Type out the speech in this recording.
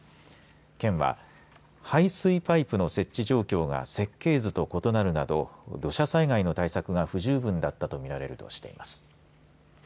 県は、排水パイプの設置状況が設計図と異なるなど土砂災害の対策が不十分だったと見られるとしています。